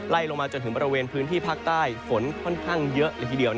ลงมาจนถึงบริเวณพื้นที่ภาคใต้ฝนค่อนข้างเยอะเลยทีเดียว